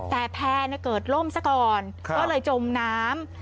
แต่แพร่เกิดล่มซะก่อนก็เลยจมน้ำ